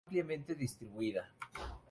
Ampliamente distribuida.